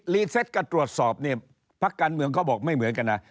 เซ็ตการตรวจสอบเนี่ยพักการเมืองเขาบอกไม่เหมือนกันนะ